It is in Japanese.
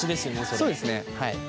そうですねはい。